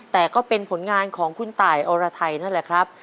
แต่ก็เป็นผลงานของคุณตายอรไทยนั่นแหละครับ